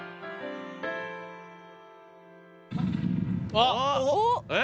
あっ！